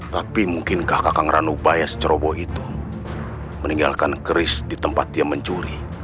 tapi mungkin kakak ngeranu upaya seceroboh itu meninggalkan keris di tempat dia mencuri